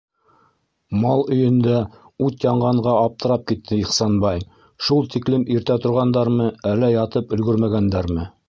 Мал өйөндә ут янғанға аптырап китте Ихсанбай: шул тиклем иртә торғандармы, әллә ятып өлгөрмәгәндәрме?